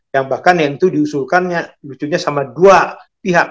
yang bahkan yang itu diusulkan lucunya sama dua pihak